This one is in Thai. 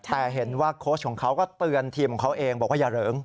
แต่เห็นว่าโค้ชของเขาก็เตือนทีมของเขาเองบอกว่าอย่าเหริง